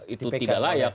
itu tidak layak